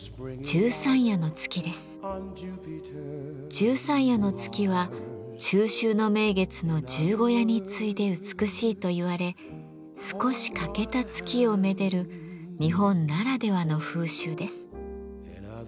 十三夜の月は中秋の名月の十五夜に次いで美しいといわれ少し欠けた月をめでる日本ならではの風習です。